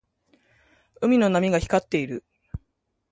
海の波が光っている。